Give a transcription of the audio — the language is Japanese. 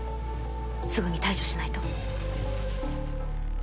すぐに対処しないと。